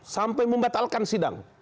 sampai membatalkan sidang